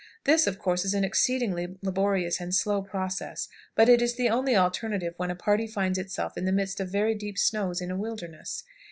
This, of course, is an exceedingly laborious and slow process, but it is the only alternative when a party finds itself in the midst of very deep snows in a wilderness.